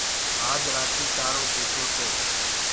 آج رآتي تآرو ٽوٽو تو۔